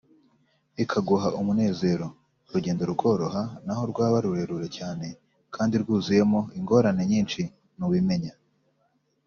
ikaguha umunezero; urugendo rukoroha n’aho rwaba rurerure cyane kandi rwuzuyemo ingorane nyinshi ntubimenya